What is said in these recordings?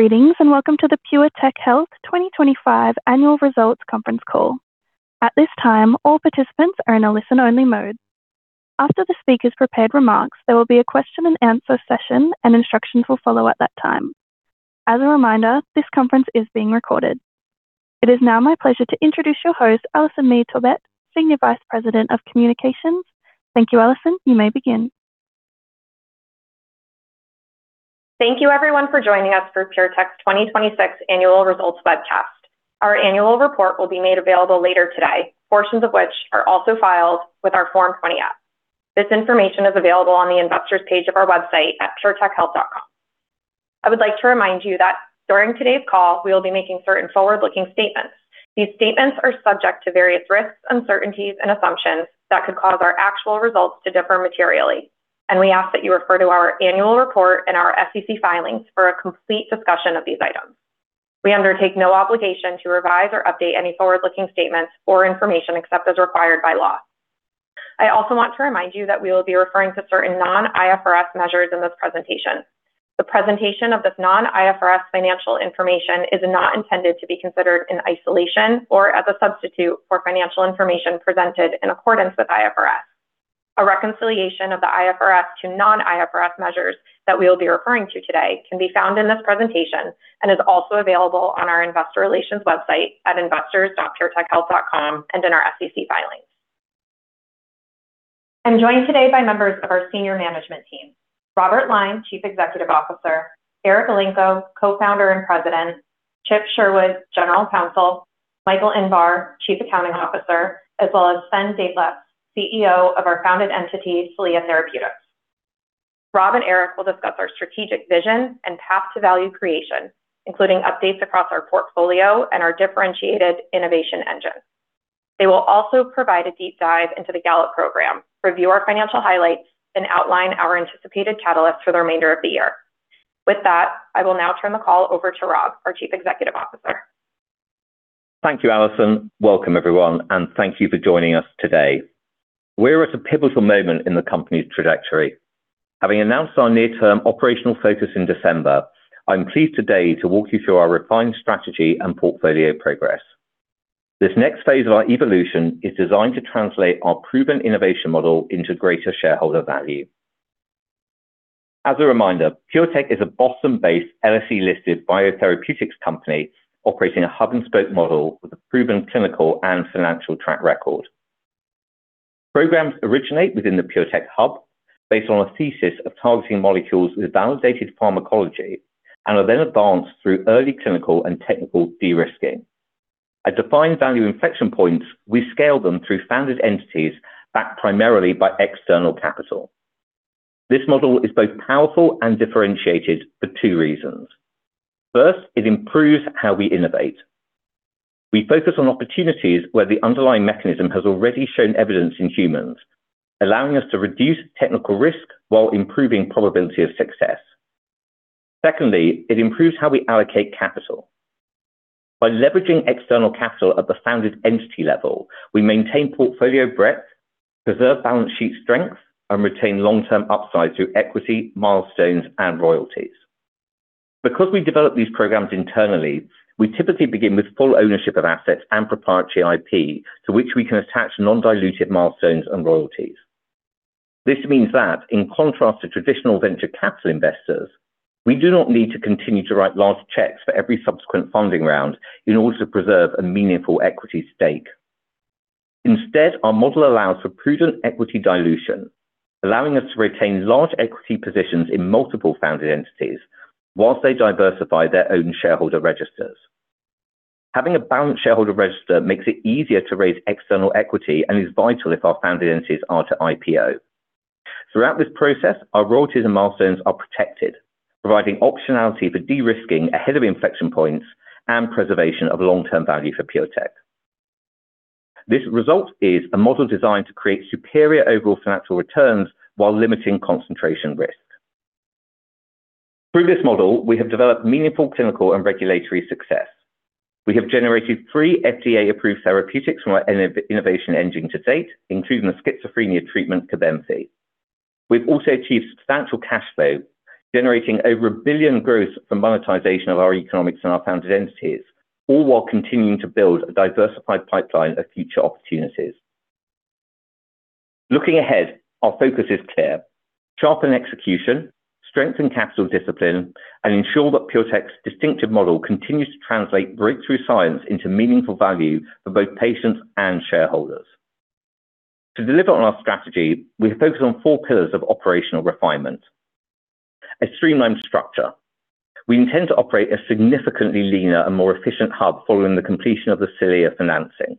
Greetings, welcome to the PureTech Health 2025 annual results conference call. At this time, all participants are in a listen-only mode. After the speaker's prepared remarks, there will be a question and answer session, and instructions will follow at that time. As a reminder, this conference is being recorded. It is now my pleasure to introduce your host, Allison Mead Talbot, Senior Vice President of Communications. Thank you, Allison. You may begin. Thank you everyone for joining us for PureTech's 2026 annual results webcast. Our annual report will be made available later today, portions of which are also filed with our Form 20-F. This information is available on the investors page of our website at puretechhealth.com. I would like to remind you that during today's call, we will be making certain forward-looking statements. These statements are subject to various risks, uncertainties, and assumptions that could cause our actual results to differ materially. We ask that you refer to our annual report and our SEC filings for a complete discussion of these items. We undertake no obligation to revise or update any forward-looking statements or information except as required by law. I also want to remind you that we will be referring to certain non-IFRS measures in this presentation. The presentation of this non-IFRS financial information is not intended to be considered in isolation or as a substitute for financial information presented in accordance with IFRS. A reconciliation of the IFRS to non-IFRS measures that we will be referring to today can be found in this presentation and is also available on our investor relations website at investors.puretechhealth.com and in our SEC filings. I'm joined today by members of our senior management team, Robert Lyne, Chief Executive Officer, Eric Elenko, Co-founder and President, Chip Sherwood, General Counsel, Michael Inbar, Chief Accounting Officer, as well as Sven Dethlefs, CEO of our founded entity, Celea Therapeutics. Rob and Eric will discuss our strategic vision and path to value creation, including updates across our portfolio and our differentiated innovation engine. They will also provide a deep dive into the Gallop program, review our financial highlights, and outline our anticipated catalyst for the remainder of the year. With that, I will now turn the call over to Rob, our Chief Executive Officer. Thank you, Allison. Welcome, everyone, and thank you for joining us today. We're at a pivotal moment in the company's trajectory. Having announced our near-term operational focus in December, I'm pleased today to walk you through our refined strategy and portfolio progress. This next phase of our evolution is designed to translate our proven innovation model into greater shareholder value. As a reminder, PureTech is a Boston-based LSE-listed biotherapeutics company operating a hub-and-spoke model with a proven clinical and financial track record. Programs originate within the PureTech hub based on a thesis of targeting molecules with validated pharmacology and are then advanced through early clinical and technical de-risking. At defined value inflection points, we scale them through founded entities backed primarily by external capital. This model is both powerful and differentiated for two reasons. First, it improves how we innovate. We focus on opportunities where the underlying mechanism has already shown evidence in humans, allowing us to reduce technical risk while improving probability of success. Secondly, it improves how we allocate capital. By leveraging external capital at the founded entity level, we maintain portfolio breadth, preserve balance sheet strength, and retain long-term upside through equity, milestones, and royalties. Because we develop these programs internally, we typically begin with full ownership of assets and proprietary IP to which we can attach non-dilutive milestones and royalties. This means that in contrast to traditional venture capital investors, we do not need to continue to write large checks for every subsequent funding round in order to preserve a meaningful equity stake. Instead, our model allows for prudent equity dilution, allowing us to retain large equity positions in multiple founded entities whilst they diversify their own shareholder registers. Having a balanced shareholder register makes it easier to raise external equity and is vital if our founded entities are to IPO. Throughout this process, our royalties and milestones are protected, providing optionality for de-risking ahead of inflection points and preservation of long-term value for PureTech. This result is a model designed to create superior overall financial returns while limiting concentration risk. Through this model, we have developed meaningful clinical and regulatory success. We have generated three FDA-approved therapeutics from our innovation engine to date, including the schizophrenia treatment Cobenfy. We've also achieved substantial cash flow, generating over 1 billion growth from monetization of our economics and our founded entities, all while continuing to build a diversified pipeline of future opportunities. Looking ahead, our focus is clear. Sharpen execution, strengthen capital discipline, and ensure that PureTech's distinctive model continues to translate breakthrough science into meaningful value for both patients and shareholders. To deliver on our strategy, we focus on four pillars of operational refinement. A streamlined structure. We intend to operate a significantly leaner and more efficient hub following the completion of the Celea financing.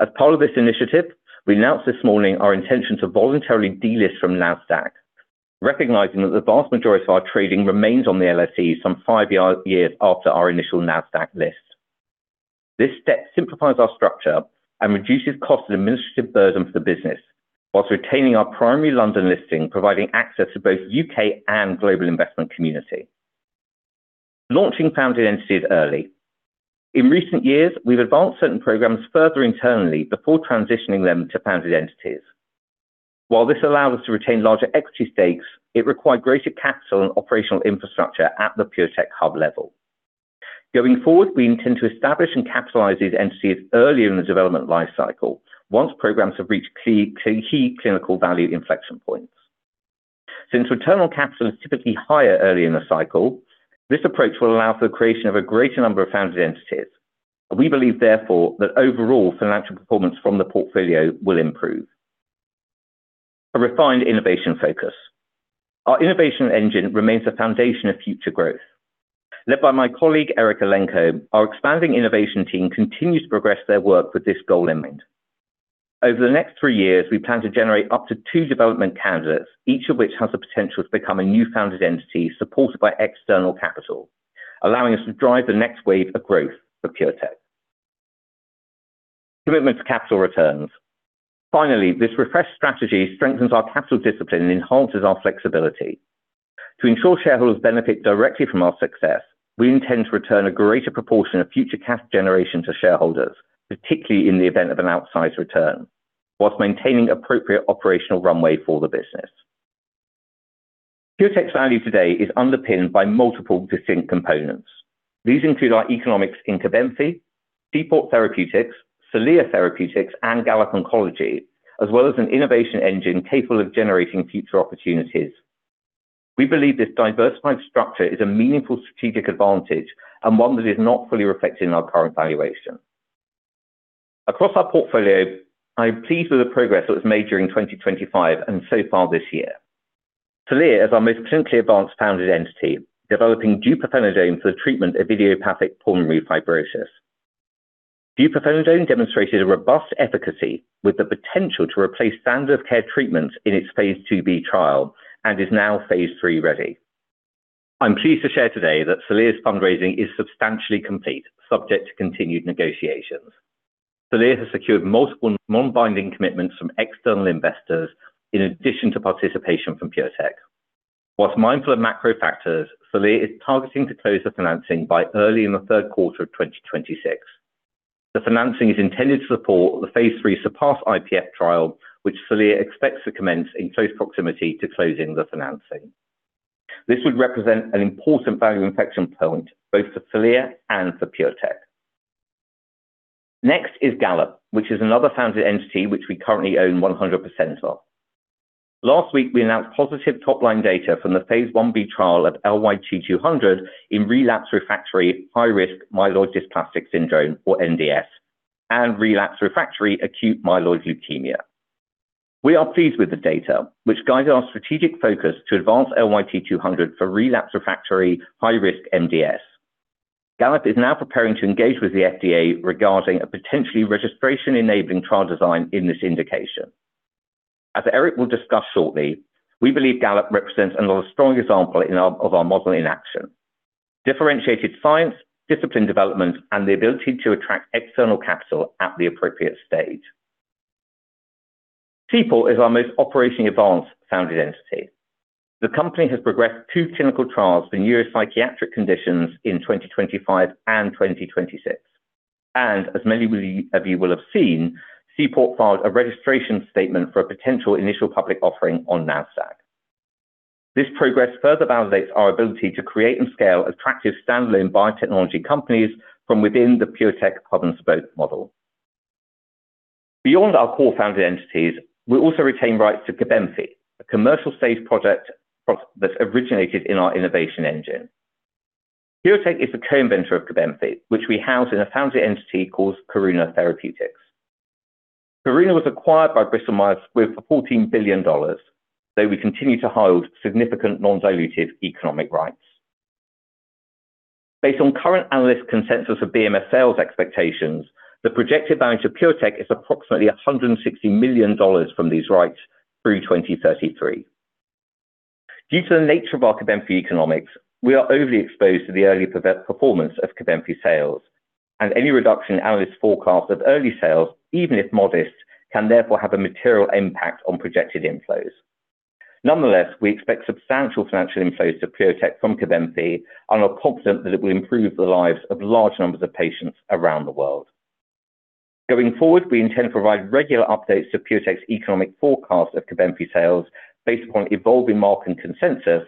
As part of this initiative, we announced this morning our intention to voluntarily delist from Nasdaq, recognizing that the vast majority of our trading remains on the LSE some five years after our initial Nasdaq list. This step simplifies our structure and reduces cost and administrative burden for the business whilst retaining our primary London listing, providing access to both U.K. and global investment community. Launching founded entities early. In recent years, we've advanced certain programs further internally before transitioning them to founded entities. While this allowed us to retain larger equity stakes, it required greater capital and operational infrastructure at the PureTech hub level. Going forward, we intend to establish and capitalize these entities early in the development life cycle once programs have reached key clinical value inflection points. Since return on capital is typically higher early in the cycle, this approach will allow for the creation of a greater number of founded entities. We believe therefore that overall financial performance from the portfolio will improve. A refined innovation focus. Our innovation engine remains the foundation of future growth. Led by my colleague, Eric Elenko, our expanding innovation team continues to progress their work with this goal in mind. Over the next three years, we plan to generate up to two development candidates, each of which has the potential to become a new founded entity supported by external capital, allowing us to drive the next wave of growth for PureTech. Commitment to capital returns. Finally, this refreshed strategy strengthens our capital discipline and enhances our flexibility. To ensure shareholders benefit directly from our success, we intend to return a greater proportion of future cash generation to shareholders, particularly in the event of an outsized return, whilst maintaining appropriate operational runway for the business. PureTech's value today is underpinned by multiple distinct components. These include our economics in Cobenfy, Seaport Therapeutics, Celea Therapeutics, and Gallop Oncology, as well as an innovation engine capable of generating future opportunities. We believe this diversified structure is a meaningful strategic advantage and one that is not fully reflected in our current valuation. Across our portfolio, I'm pleased with the progress that was made during 2025 and so far this year. Celea is our most clinically advanced founded entity, developing deupirfenidone for the treatment of idiopathic pulmonary fibrosis. Deupirfenidone demonstrated a robust efficacy with the potential to replace standard of care treatments in its phase II-B trial and is now phase III ready. I'm pleased to share today that Celea's fundraising is substantially complete, subject to continued negotiations. Celea has secured multiple non-binding commitments from external investors in addition to participation from PureTech. Whilst mindful of macro factors, Celea is targeting to close the financing by early in the third quarter of 2026. The financing is intended to support the phase III SURPASS-IPF trial, which Celea expects to commence in close proximity to closing the financing. This would represent an important value inflection point both for Celea and for PureTech. Next is Gallop, which is another founded entity which we currently own 100% of. Last week, we announced positive top-line data from the phase I-B trial of LYT-200 in relapse refractory high-risk myelodysplastic syndrome, or MDS, and relapse refractory acute myeloid leukemia. We are pleased with the data, which guides our strategic focus to advance LYT-200 for relapse refractory high-risk MDS. Gallop is now preparing to engage with the FDA regarding a potentially registration-enabling trial design in this indication. As Eric will discuss shortly, we believe Gallop represents another strong example of our model in action. Differentiated science, disciplined development, the ability to attract external capital at the appropriate stage. Seaport is our most operationally advanced founded entity. The company has progressed two clinical trials for neuropsychiatric conditions in 2025 and 2026. As many of you will have seen, Seaport filed a registration statement for a potential initial public offering on Nasdaq. This progress further validates our ability to create and scale attractive standalone biotechnology companies from within the PureTech hub-and-spoke model. Beyond our core founded entities, we also retain rights to Cobenfy, a commercial-stage product that originated in our innovation engine. PureTech is the co-inventor of Cobenfy, which we house in a founded entity called Karuna Therapeutics. Karuna was acquired by Bristol Myers Squibb for $14 billion, though we continue to hold significant non-dilutive economic rights. Based on current analyst consensus of BMS sales expectations, the projected value to PureTech is approximately $160 million from these rights through 2033. Due to the nature of our Cobenfy economics, we are overly exposed to the early performance of Cobenfy sales. Any reduction in analyst forecasts of early sales, even if modest, can therefore have a material impact on projected inflows. Nonetheless, we expect substantial financial inflows to PureTech from Cobenfy and are confident that it will improve the lives of large numbers of patients around the world. Going forward, we intend to provide regular updates to PureTech's economic forecast of Cobenfy sales based upon evolving market consensus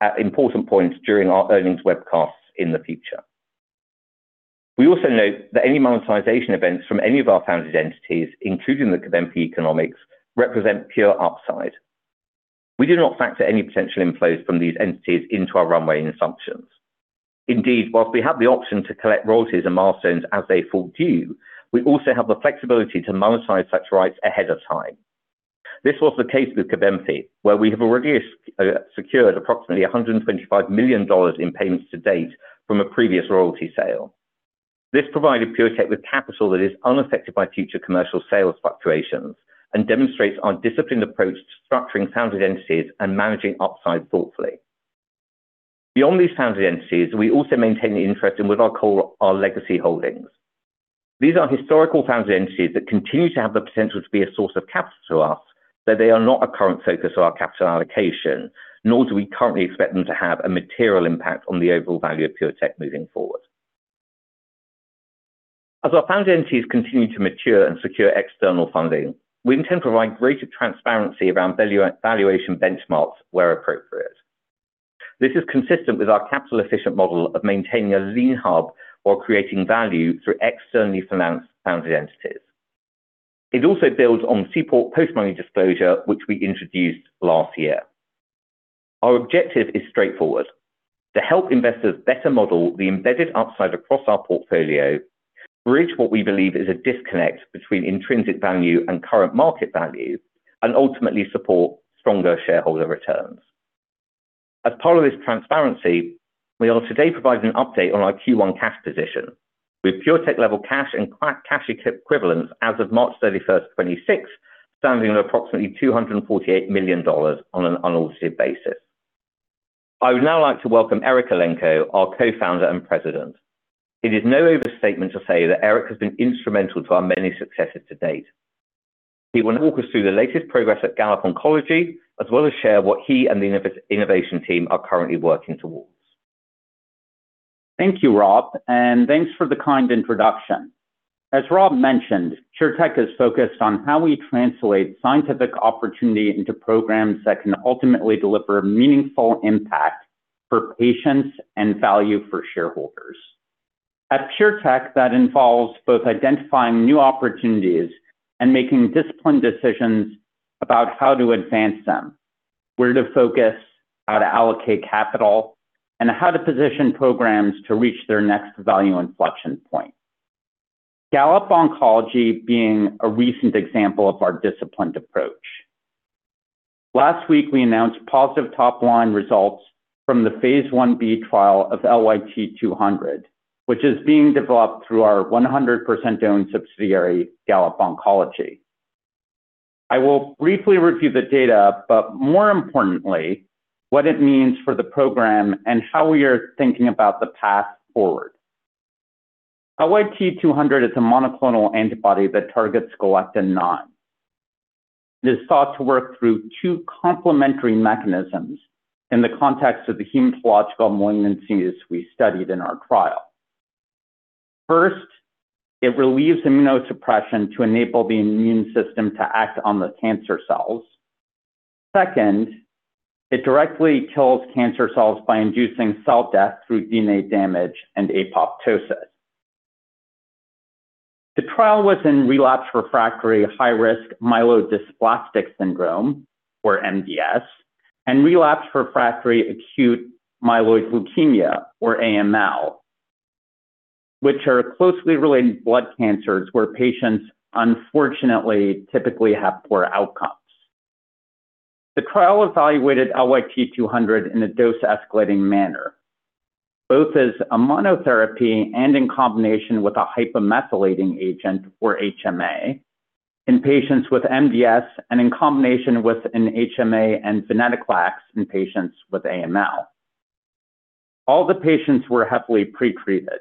at important points during our earnings webcasts in the future. We also note that any monetization events from any of our founded entities, including the Cobenfy economics, represent pure upside. We do not factor any potential inflows from these entities into our runway assumptions. Indeed, whilst we have the option to collect royalties and milestones as they fall due, we also have the flexibility to monetize such rights ahead of time. This was the case with Cobenfy, where we have already secured approximately $125 million in payments to date from a previous royalty sale. This provided PureTech Health with capital that is unaffected by future commercial sales fluctuations and demonstrates our disciplined approach to structuring founded entities and managing upside thoughtfully. Beyond these founded entities, we also maintain the interest in with our core, our legacy holdings. These are historical founded entities that continue to have the potential to be a source of capital to us, though they are not a current focus of our capital allocation, nor do we currently expect them to have a material impact on the overall value of PureTech Health moving forward. As our founded entities continue to mature and secure external funding, we intend to provide greater transparency around valuation benchmarks where appropriate. This is consistent with our capital-efficient model of maintaining a lean hub while creating value through externally financed founded entities. It also builds on Seaport Therapeutics post-merger disclosure, which we introduced last year. Our objective is straightforward. To help investors better model the embedded upside across our portfolio, bridge what we believe is a disconnect between intrinsic value and current market value, and ultimately support stronger shareholder returns. As part of this transparency, we are today providing an update on our Q1 cash position. With PureTech level cash and cash equivalents as of March 31st, 2026, standing at approximately $248 million on an unaudited basis. I would now like to welcome Eric Elenko, our Co-founder and President. It is no overstatement to say that Eric has been instrumental to our many successes to date. He will walk us through the latest progress at Gallop Oncology, as well as share what he and the innovation team are currently working towards. Thank you, Rob, and thanks for the kind introduction. As Rob mentioned, PureTech is focused on how we translate scientific opportunity into programs that can ultimately deliver meaningful impact for patients and value for shareholders. At PureTech, that involves both identifying new opportunities and making disciplined decisions about how to advance them, where to focus, how to allocate capital, and how to position programs to reach their next value inflection point. Gallop Oncology being a recent example of our disciplined approach. Last week, we announced positive top-line results from the phase I-B trial of LYT-200, which is being developed through our 100% owned subsidiary, Gallop Oncology. I will briefly review the data, but more importantly, what it means for the program and how we are thinking about the path forward. LYT-200 is a monoclonal antibody that targets galectin-9. It is thought to work through two complementary mechanisms in the context of the hematological malignancies we studied in our trial. First, it relieves immunosuppression to enable the immune system to act on the cancer cells. Second, it directly kills cancer cells by inducing cell death through DNA damage and apoptosis. The trial was in relapsed refractory high-risk myelodysplastic syndrome, or MDS, and relapsed refractory acute myeloid leukemia, or AML, which are closely related blood cancers where patients unfortunately typically have poor outcomes. The trial evaluated LYT-200 in a dose-escalating manner, both as a monotherapy and in combination with a hypomethylating agent, or HMA, in patients with MDS and in combination with an HMA and venetoclax in patients with AML. All the patients were heavily pre-treated.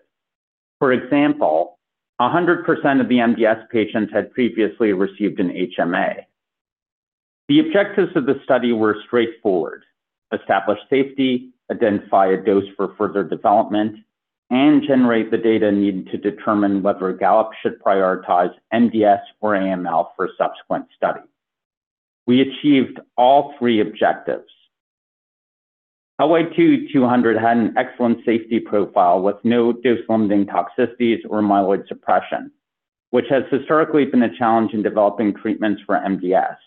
For example, 100% of the MDS patients had previously received an HMA. The objectives of the study were straightforward: establish safety, identify a dose for further development, and generate the data needed to determine whether Gallop should prioritize MDS or AML for subsequent studies. We achieved all three objectives. LYT-200 had an excellent safety profile with no dose-limiting toxicities or myeloid suppression, which has historically been a challenge in developing treatments for MDS.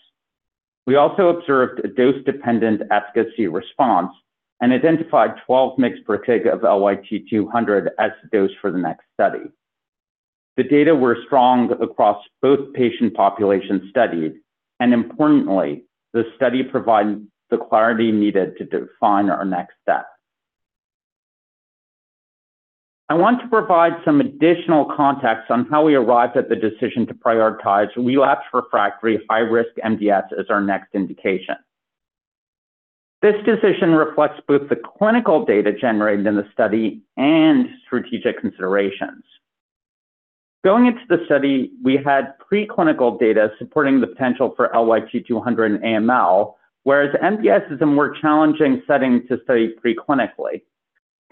We also observed a dose-dependent efficacy response and identified 12 mg/kg of LYT-200 as the dose for the next study. The data were strong across both patient populations studied, and importantly, the study provided the clarity needed to define our next step. I want to provide some additional context on how we arrived at the decision to prioritize relapsed refractory high-risk MDS as our next indication. This decision reflects both the clinical data generated in the study and strategic considerations. Going into the study, we had preclinical data supporting the potential for LYT-200 in AML, whereas MDS is a more challenging setting to study preclinically.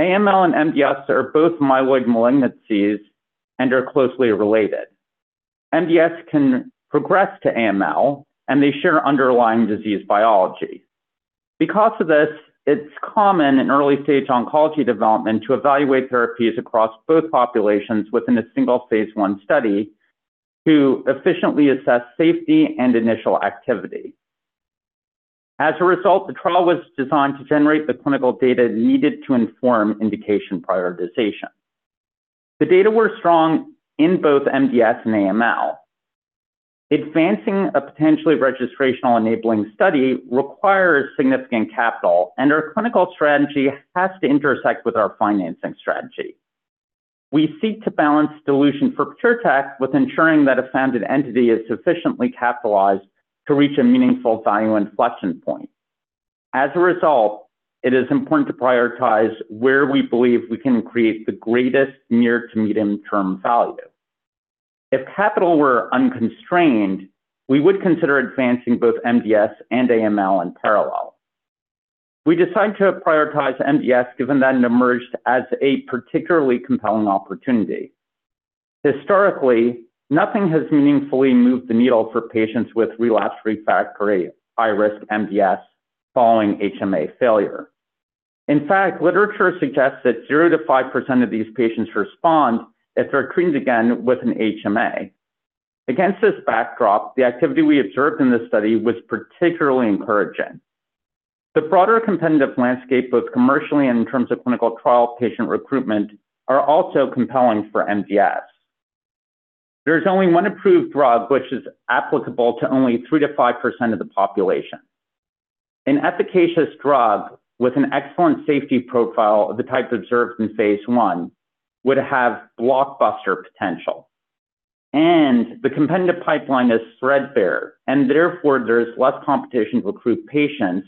AML and MDS are both myeloid malignancies and are closely related. MDS can progress to AML, and they share underlying disease biology. Because of this, it's common in early-stage oncology development to evaluate therapies across both populations within a single phase I study to efficiently assess safety and initial activity. As a result, the trial was designed to generate the clinical data needed to inform indication prioritization. The data were strong in both MDS and AML. Advancing a potentially registrational enabling study requires significant capital, and our clinical strategy has to intersect with our financing strategy. We seek to balance dilution for PureTech with ensuring that a founded entity is sufficiently capitalized to reach a meaningful value inflection point. As a result, it is important to prioritize where we believe we can create the greatest near to medium-term value. If capital were unconstrained, we would consider advancing both MDS and AML in parallel. We decided to prioritize MDS given that it emerged as a particularly compelling opportunity. Historically, nothing has meaningfully moved the needle for patients with relapsed refractory high-risk MDS following HMA failure. In fact, literature suggests that 0%-5% of these patients respond if they're treated again with an HMA. Against this backdrop, the activity we observed in this study was particularly encouraging. The broader competitive landscape, both commercially and in terms of clinical trial patient recruitment, are also compelling for MDS. There's only one approved drug which is applicable to only 3%-5% of the population. An efficacious drug with an excellent safety profile of the type observed in phase I would have blockbuster potential, and the competitive pipeline is threadbare, and therefore, there is less competition to recruit patients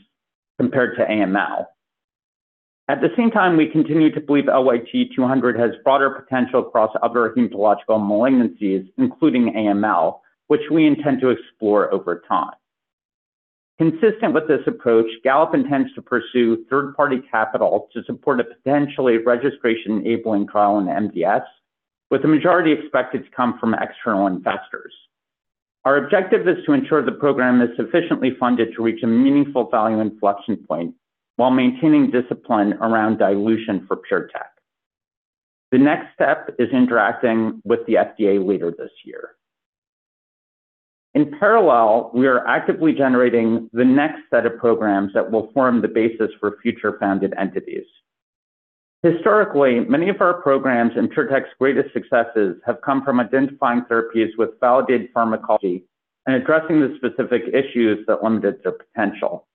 compared to AML. At the same time, we continue to believe LYT-200 has broader potential across other hematological malignancies, including AML, which we intend to explore over time. Consistent with this approach, Gallop intends to pursue third-party capital to support a potentially registration-enabling trial in MDS, with the majority expected to come from external investors. Our objective is to ensure the program is sufficiently funded to reach a meaningful value inflection point while maintaining discipline around dilution for PureTech Health. The next step is interacting with the FDA later this year. In parallel, we are actively generating the next set of programs that will form the basis for future founded entities. Historically, many of our programs and PureTech's greatest successes have come from identifying therapies with validated pharmacology and addressing the specific issues that limited their potential.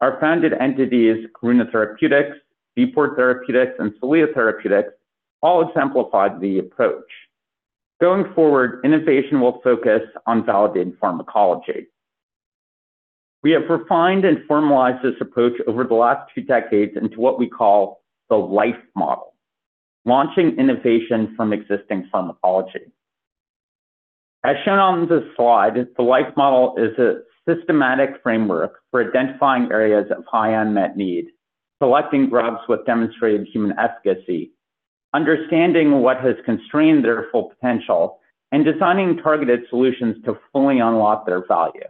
Our founded entities, Karuna Therapeutics, Seaport Therapeutics, and Celea Therapeutics, all exemplified the approach. Going forward, innovation will focus on validated pharmacology. We have refined and formalized this approach over the last two decades into what we call the LIFE model, launching innovation from existing pharmacology. As shown on this slide, the LIFE model is a systematic framework for identifying areas of high unmet need, selecting drugs with demonstrated human efficacy, understanding what has constrained their full potential, and designing targeted solutions to fully unlock their value.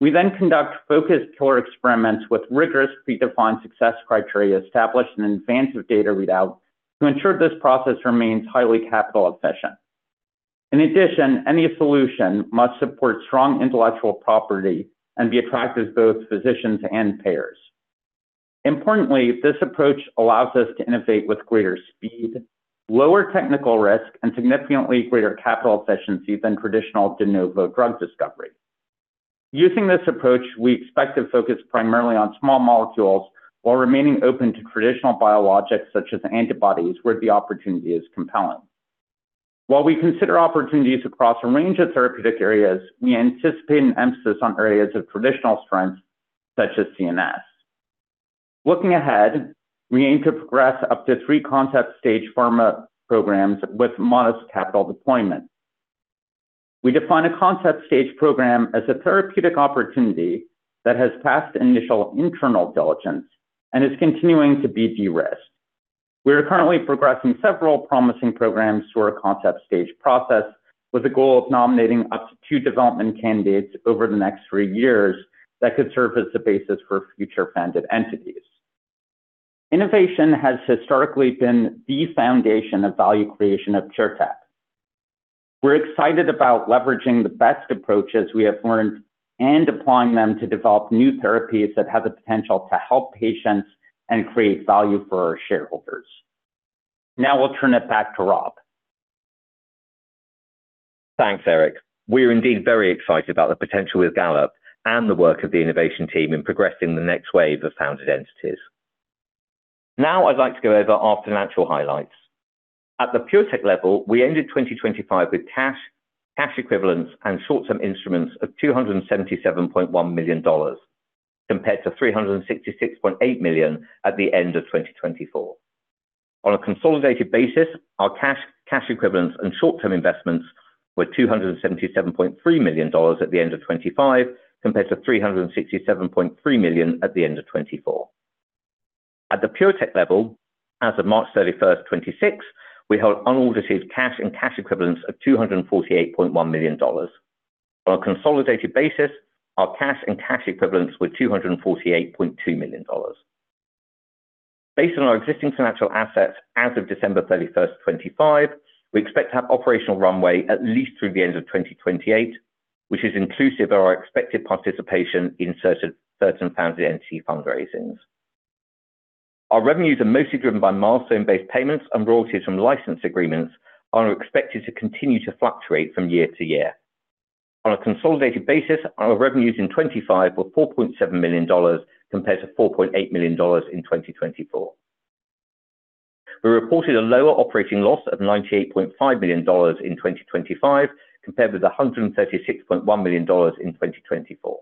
We then conduct focused core experiments with rigorous predefined success criteria established in advance of data readout to ensure this process remains highly capital efficient. In addition, any solution must support strong intellectual property and be attractive to both physicians and payers. Importantly, this approach allows us to innovate with greater speed, lower technical risk, and significantly greater capital efficiency than traditional de novo drug discovery. Using this approach, we expect to focus primarily on small molecules while remaining open to traditional biologics such as antibodies where the opportunity is compelling. While we consider opportunities across a range of therapeutic areas, we anticipate an emphasis on areas of traditional strength such as CNS. Looking ahead, we aim to progress up to three concept stage pharma programs with modest capital deployment. We define a concept stage program as a therapeutic opportunity that has passed initial internal diligence and is continuing to be de-risked. We are currently progressing several promising programs through our concept stage process with the goal of nominating up to two development candidates over the next three years that could serve as the basis for future funded entities. Innovation has historically been the foundation of value creation at PureTech. We're excited about leveraging the best approaches we have learned and applying them to develop new therapies that have the potential to help patients and create value for our shareholders. Now I'll turn it back to Rob. Thanks, Eric. We are indeed very excited about the potential with Gallop and the work of the innovation team in progressing the next wave of founded entities. I would like to go over our financial highlights. At the PureTech level, we ended 2025 with cash equivalents, and short-term instruments of $277.1 million compared to $366.8 million at the end of 2024. On a consolidated basis, our cash equivalents, and short-term investments were $277.3 million at the end of 2025 compared to $367.3 million at the end of 2024. At the PureTech level, as of March 31st, 2026, we held unaudited cash and cash equivalents of $248.1 million. On a consolidated basis, our cash and cash equivalents were $248.2 million. Based on our existing financial assets as of December 31st, 2025, we expect to have operational runway at least through the end of 2028, which is inclusive of our expected participation in certain founded entity fundraisings. Our revenues are mostly driven by milestone-based payments and royalties from license agreements and are expected to continue to fluctuate from year to year. On a consolidated basis, our revenues in 2025 were $4.7 million compared to $4.8 million in 2024. We reported a lower operating loss of $98.5 million in 2025 compared with $136.1 million in 2024.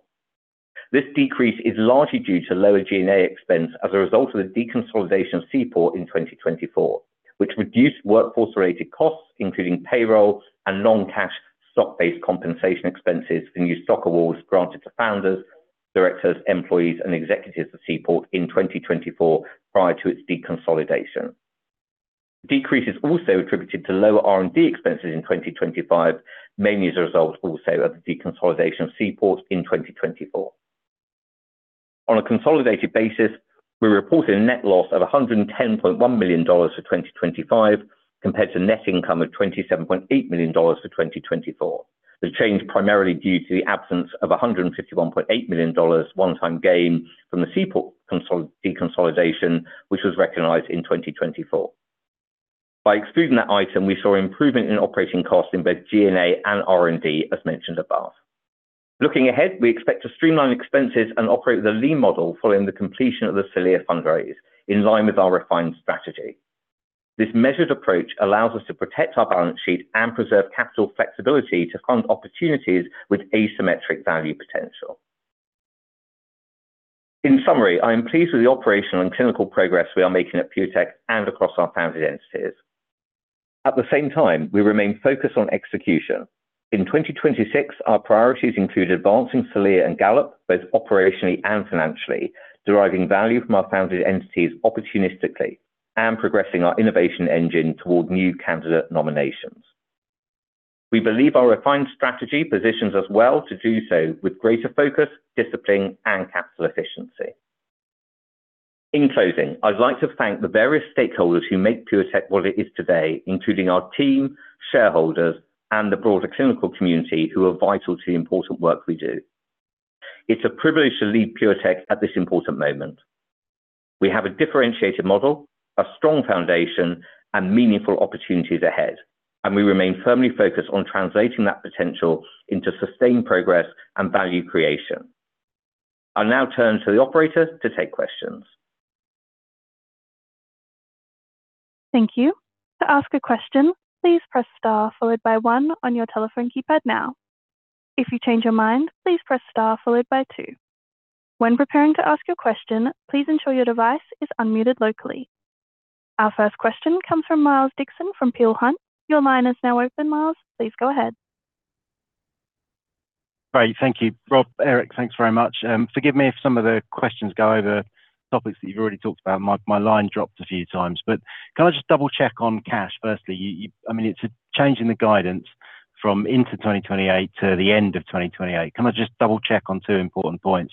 This decrease is largely due to lower G&A expense as a result of the deconsolidation of Seaport in 2024, which reduce workforce-related costs, including payroll and non-cash stock-based compensation expenses and new stock awards granted to founders, directors, employees, and executives of Seaport in 2024 prior to its deconsolidation. The decrease is also attributed to lower R&D expenses in 2025, mainly as a result also of the deconsolidation of Seaport in 2024. On a consolidated basis, we reported a net loss of $110.1 million for 2025 compared to net income of $27.8 million for 2024. The change primarily due to the absence of a $151.8 million one-time gain from the Seaport deconsolidation, which was recognized in 2024. By excluding that item, we saw improvement in operating costs in both G&A and R&D, as mentioned above. Looking ahead, we expect to streamline expenses and operate with a lean model following the completion of the Celea fundraise, in line with our refined strategy. This measured approach allows us to protect our balance sheet and preserve capital flexibility to fund opportunities with asymmetric value potential. In summary, I am pleased with the operational and clinical progress we are making at PureTech and across our founded entities. At the same time, we remain focused on execution. In 2026, our priorities include advancing Celea and Gallop both operationally and financially, deriving value from our founded entities opportunistically, and progressing our innovation engine toward new candidate nominations. We believe our refined strategy positions us well to do so with greater focus, discipline, and capital efficiency. In closing, I'd like to thank the various stakeholders who make PureTech what it is today, including our team, shareholders, and the broader clinical community who are vital to the important work we do. It's a privilege to lead PureTech at this important moment. We have a differentiated model, a strong foundation, and meaningful opportunities ahead, and we remain firmly focused on translating that potential into sustained progress and value creation. I'll now turn to the operator to take questions. Thank you. To ask a question, please press star followed by one on your telephone keypad now. If you changed your mind, please press star followed by two. When preparing to ask a question, please ensure your device is unmuted locally. Our first question comes from Miles Dixon from Peel Hunt. Your line is now open, Miles. Please go ahead. Great. Thank you, Rob. Eric, thanks very much. Forgive me if some of the questions go over topics that you've already talked about. My line dropped a few times. Can I just double-check on cash, firstly? I mean, it's a change in the guidance from into 2028 to the end of 2028. Can I just double-check on two important points?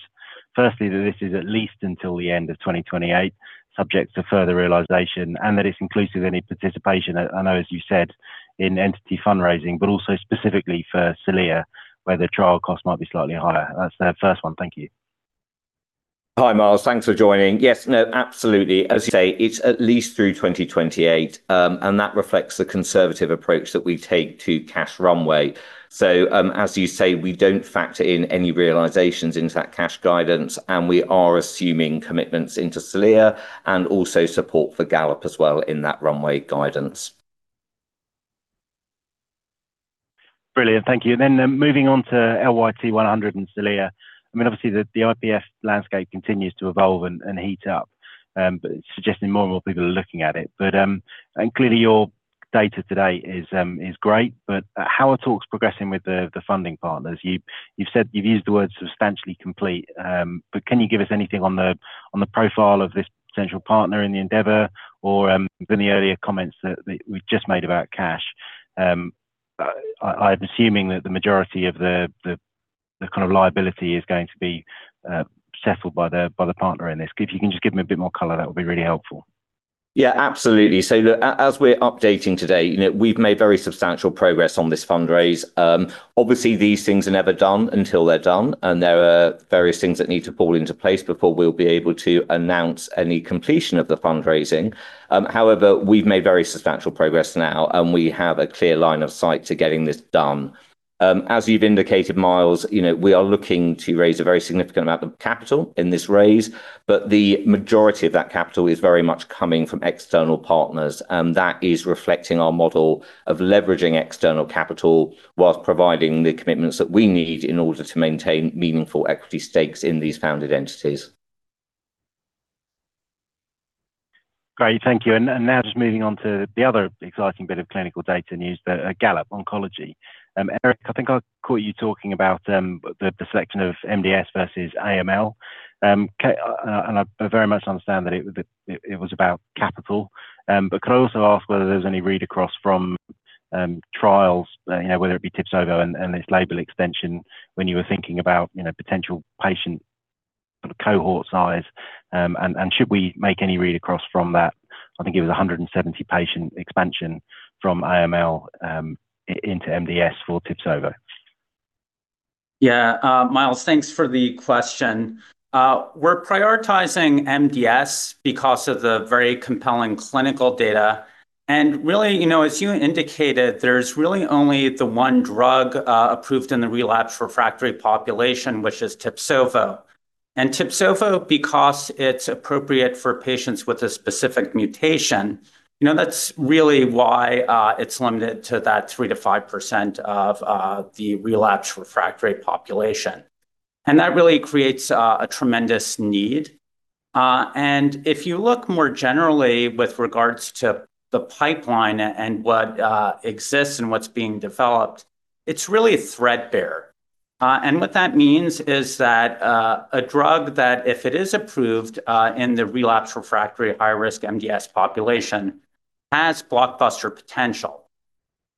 Firstly, that this is at least until the end of 2028, subject to further realization, and that it's inclusive any participation. I know as you said in entity fundraising, but also specifically for Celea, where the trial costs might be slightly higher. That's the first one. Thank you. Hi, Miles. Thanks for joining. Yes. No, absolutely. As you say, it's at least through 2028, and that reflects the conservative approach that we take to cash runway. As you say, we don't factor in any realizations into that cash guidance, and we are assuming commitments into Celea and also support for Gallop as well in that runway guidance. Brilliant. Thank you. Then, moving on to LYT-100 and Celea. I mean, obviously, the IPF landscape continues to evolve and heat up, but it's suggesting more and more people are looking at it. Clearly your data today is great. How are talks progressing with the funding partners? You've said you've used the word substantially complete. Can you give us anything on the profile of this potential partner in the endeavor? Given the earlier comments that we've just made about cash, I'm assuming that the majority of the kind of liability is going to be settled by the partner in this. If you can just give me a bit more color, that would be really helpful. Yeah, absolutely. Look, as we're updating today, you know, we've made very substantial progress on this fundraise. Obviously, these things are never done until they're done, and there are various things that need to fall into place before we'll be able to announce any completion of the fundraising. However, we've made very substantial progress now, and we have a clear line of sight to getting this done. As you've indicated, Miles, you know, we are looking to raise a very significant amount of capital in this raise, but the majority of that capital is very much coming from external partners. That is reflecting our model of leveraging external capital whilst providing the commitments that we need in order to maintain meaningful equity stakes in these founded entities. Great. Thank you. Now just moving on to the other exciting bit of clinical data news, the Gallop Oncology. Eric, I think I caught you talking about the selection of MDS versus AML. I very much understand that it was about capital. Could I also ask whether there's any read across from trials, you know, whether it be Tibsovo and this label extension when you were thinking about, you know, potential patient cohort size? Should we make any read across from that, I think it was a 170 patient expansion from AML into MDS for Tibsovo? Yeah. Miles, thanks for the question. We're prioritizing MDS because of the very compelling clinical data. Really, you know, as you indicated, there's really only the one drug approved in the relapse refractory population, which is Tibsovo. Tibsovo, because it's appropriate for patients with a specific mutation, you know, that's really why it's limited to that 3%-5% of the relapse refractory population. That really creates a tremendous need. If you look more generally with regards to the pipeline and what exists and what's being developed, it's really threadbare. What that means is that a drug that if it is approved in the relapsed refractory high-risk MDS population has blockbuster potential.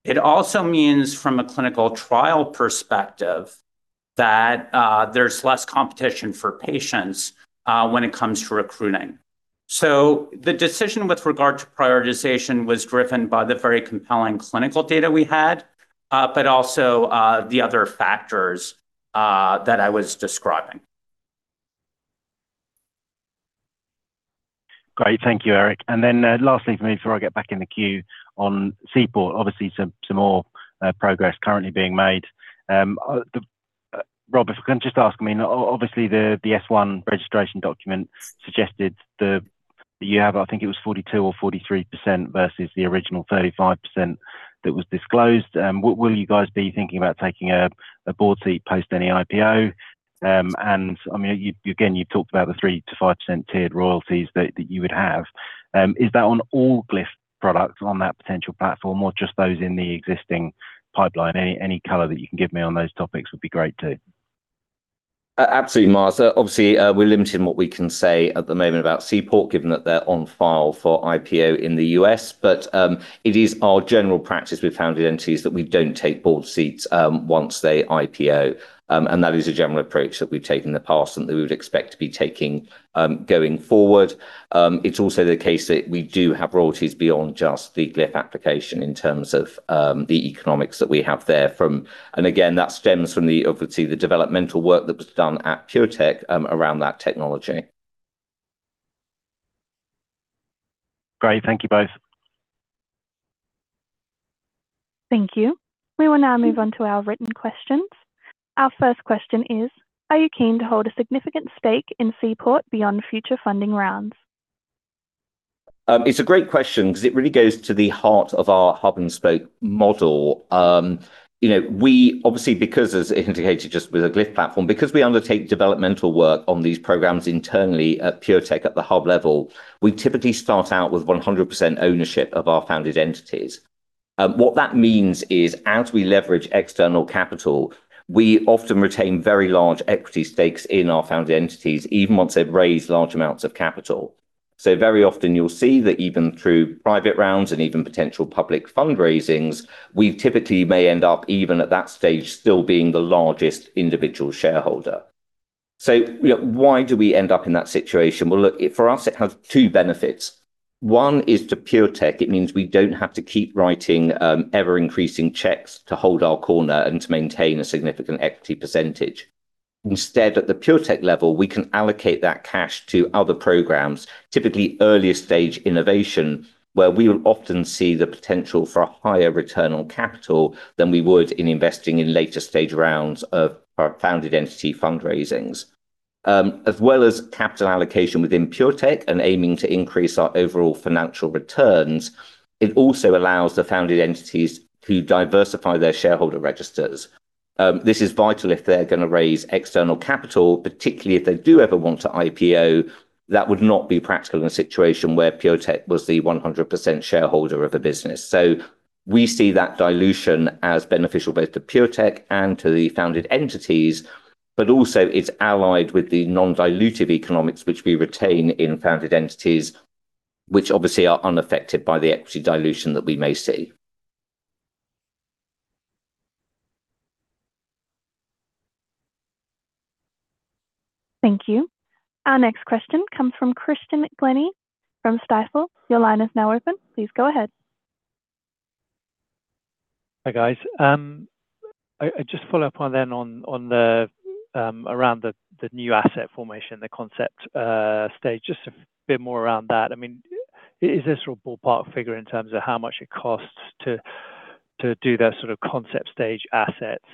It also means from a clinical trial perspective that there's less competition for patients when it comes to recruiting. The decision with regard to prioritization was driven by the very compelling clinical data we had, but also, the other factors, that I was describing. Great. Thank you, Eric. Lastly for me before I get back in the queue on Seaport Therapeutics, obviously some more progress currently being made. Rob, if I can just ask, I mean, obviously the F-1 registration document suggested you have I think it was 42% or 43% versus the original 35% that was disclosed. What will you guys be thinking about taking a board seat post any IPO? I mean, you again, you talked about the 3%-5% tiered royalties that you would have. Is that on all Glyph products on that potential platform or just those in the existing pipeline? Any color that you can give me on those topics would be great too. Absolutely, Miles. Obviously, we're limited in what we can say at the moment about Seaport given that they're on file for IPO in the U.S. It is our general practice with founded entities that we don't take board seats once they IPO. That is a general approach that we've taken in the past and that we would expect to be taking going forward. It's also the case that we do have royalties beyond just the Glyph application in terms of the economics that we have there from. Again, that stems from the, obviously, the developmental work that was done at PureTech around that technology. Great. Thank you both. Thank you. We will now move on to our written questions. Our first question is, are you keen to hold a significant stake in Seaport beyond future funding rounds? It's a great question because it really goes to the heart of our hub and spoke model. You know, we obviously because as indicated just with the Glyph platform, because we undertake developmental work on these programs internally at PureTech at the hub level, we typically start out with 100% ownership of our founded entities. What that means is as we leverage external capital, we often retain very large equity stakes in our founded entities, even once they've raised large amounts of capital. Very often you'll see that even through private rounds and even potential public fundraisings, we typically may end up even at that stage still being the largest individual shareholder. You know, why do we end up in that situation? Well, look, for us it has two benefits. One is to PureTech. It means we don't have to keep writing, ever-increasing checks to hold our corner and to maintain a significant equity percentage. Instead, at the PureTech level, we can allocate that cash to other programs, typically earlier stage innovation, where we will often see the potential for a higher return on capital than we would in investing in later stage rounds of our founded entity fundraisings. As well as capital allocation within PureTech and aiming to increase our overall financial returns, it also allows the founded entities to diversify their shareholder registers. This is vital if they're gonna raise external capital, particularly if they do ever want to IPO. That would not be practical in a situation where PureTech was the 100% shareholder of a business. We see that dilution as beneficial both to PureTech and to the founded entities, but also it's allied with the non-dilutive economics which we retain in founded entities, which obviously are unaffected by the equity dilution that we may see. Thank you. Our next question comes from Christian Glennie from Stifel. Your line is now open. Please go ahead. Hi, guys. I just follow up on the around the new asset formation, the concept stage. Just a bit more around that. I mean, is this a ballpark figure in terms of how much it costs to do the sort of concept stage assets?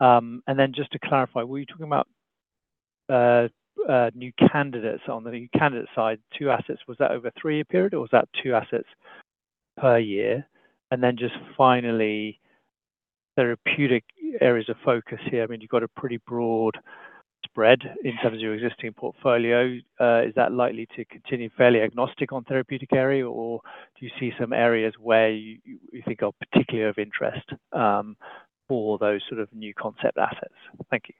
Then just to clarify, were you talking about new candidates on the candidate side, two assets, was that over a three-year period or was that two assets per year? Then just finally, therapeutic areas of focus here. I mean, you've got a pretty broad spread in terms of your existing portfolio. Is that likely to continue fairly agnostic on therapeutic area or do you see some areas where you think are particularly of interest for those sort of new concept assets? Thank you.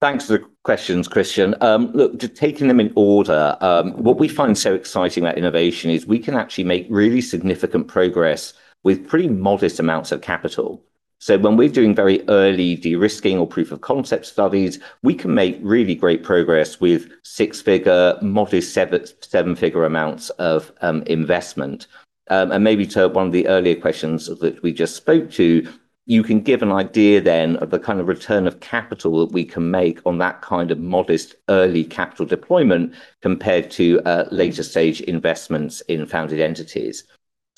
Thanks for the questions, Christian. Look, just taking them in order, what we find so exciting about innovation is we can actually make really significant progress with pretty modest amounts of capital. When we're doing very early de-risking or proof of concept studies, we can make really great progress with six-figure, modest seven-figure amounts of investment. Maybe to one of the earlier questions that we just spoke to, you can give an idea then of the kind of return of capital that we can make on that kind of modest early capital deployment compared to later stage investments in founded entities.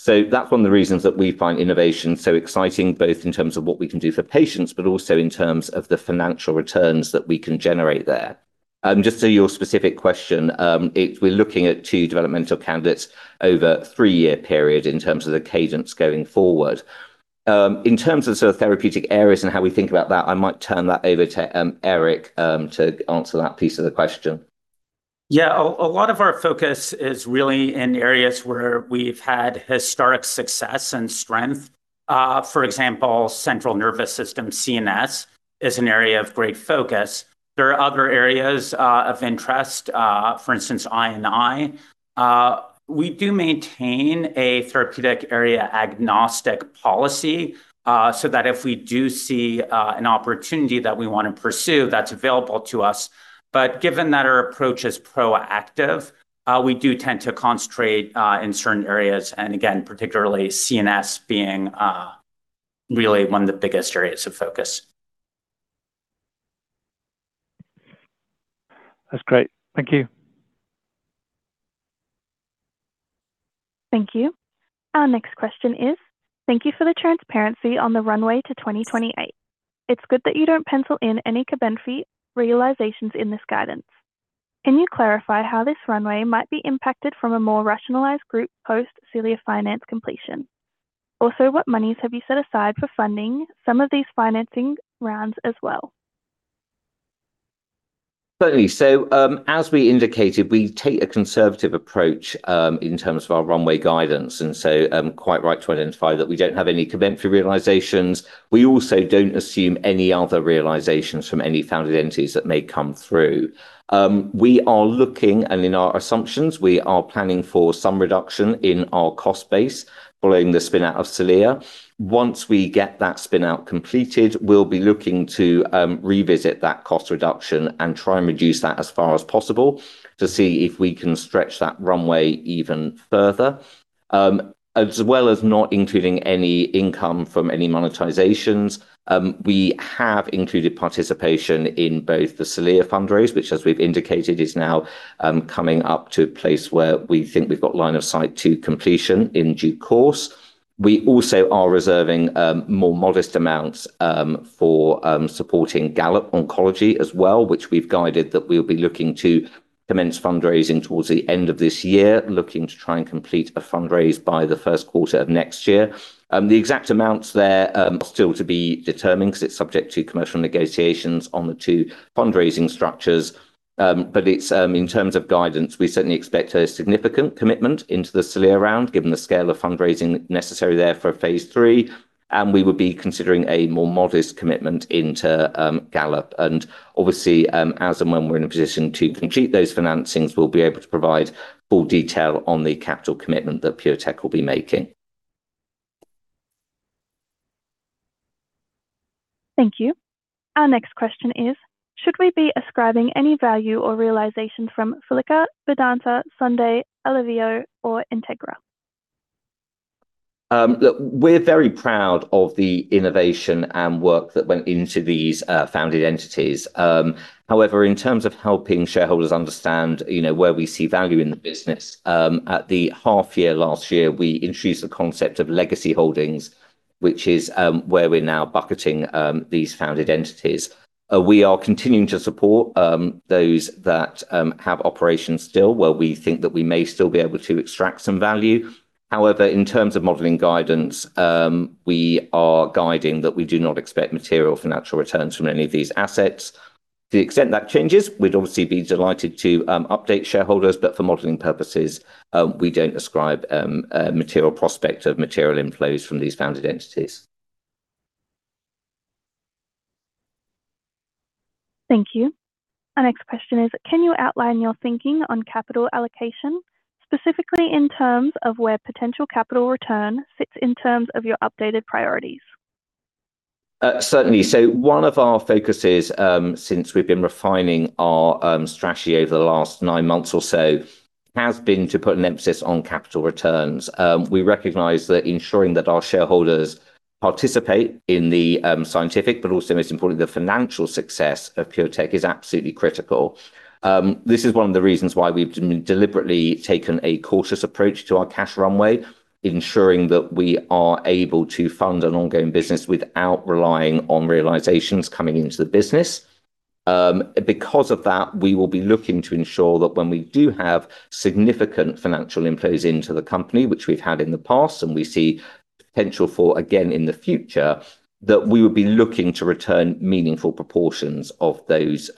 That's one of the reasons that we find innovation so exciting, both in terms of what we can do for patients, but also in terms of the financial returns that we can generate there. Just to your specific question, we're looking at two developmental candidates over a three-year period in terms of the cadence going forward. In terms of sort of therapeutic areas and how we think about that, I might turn that over to Eric to answer that piece of the question. Yeah. A lot of our focus is really in areas where we've had historic success and strength. For example, central nervous system, CNS, is an area of great focus. There are other areas of interest, for instance, I&I. We do maintain a therapeutic area agnostic policy, so that if we do see an opportunity that we wanna pursue, that's available to us. Given that our approach is proactive, we do tend to concentrate in certain areas, and again, particularly CNS being really one of the biggest areas of focus. That's great. Thank you. Thank you. Our next question is: Thank you for the transparency on the runway to 2028. It's good that you don't pencil in any Cobenfy realizations in this guidance. Can you clarify how this runway might be impacted from a more rationalized group post-Celea finance completion? Also, what monies have you set aside for funding some of these financing rounds as well? Certainly. As we indicated, we take a conservative approach in terms of our runway guidance. Quite right to identify that we don't have any Cobenfy realizations. We also don't assume any other realizations from any founded entities that may come through. We are looking, and in our assumptions, we are planning for some reduction in our cost base following the spin-out of Celea. Once we get that spin-out completed, we'll be looking to revisit that cost reduction and try and reduce that as far as possible to see if we can stretch that runway even further. As well as not including any income from any monetizations, we have included participation in both the Celea fundraise, which as we've indicated, is now coming up to a place where we think we've got line of sight to completion in due course. We also are reserving more modest amounts for supporting Gallop Oncology as well, which we've guided that we'll be looking to commence fundraising towards the end of this year, looking to try and complete a fundraise by the first quarter of next year. The exact amounts there are still to be determined because it's subject to commercial negotiations on the two fundraising structures. In terms of guidance, we certainly expect a significant commitment into the Celea round given the scale of fundraising necessary there for phase III, and we would be considering a more modest commitment into Gallop. As and when we're in a position to complete those financings, we'll be able to provide full detail on the capital commitment that PureTech will be making. Thank you. Our next question is, "Should we be ascribing any value or realization from Follica, Vedanta, Sonde, Alivio, or Integra? Look, we're very proud of the innovation and work that went into these founded entities. In terms of helping shareholders understand, you know, where we see value in the business, at the half year last year, we introduced the concept of legacy holdings, which is where we're now bucketing these founded entities. We are continuing to support those that have operations still where we think that we may still be able to extract some value. In terms of modeling guidance, we are guiding that we do not expect material financial returns from any of these assets. To the extent that changes, we'd obviously be delighted to update shareholders, but for modeling purposes, we don't ascribe a material prospect of material inflows from these founded entities. Thank you. Our next question is, "Can you outline your thinking on capital allocation, specifically in terms of where potential capital return fits in terms of your updated priorities? Certainly. One of our focuses, since we've been refining our strategy over the last nine months or so, has been to put an emphasis on capital returns. We recognize that ensuring that our shareholders participate in the scientific, but also most importantly, the financial success of PureTech is absolutely critical. This is one of the reasons why we've deliberately taken a cautious approach to our cash runway, ensuring that we are able to fund an ongoing business without relying on realizations coming into the business. Because of that, we will be looking to ensure that when we do have significant financial inflows into the company, which we've had in the past and we see potential for again in the future, that we would be looking to return meaningful proportions of those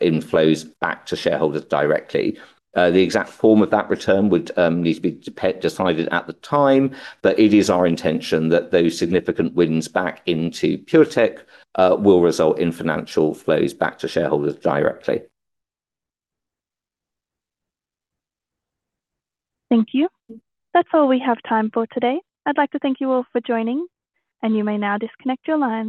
inflows back to shareholders directly. The exact form of that return would need to be decided at the time, but it is our intention that those significant wins back into PureTech will result in financial flows back to shareholders directly. Thank you. That's all we have time for today. I'd like to thank you all for joining. You may now disconnect your line.